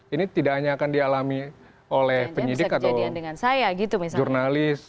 ini tidak hanya akan dialami oleh penyidik atau jurnalis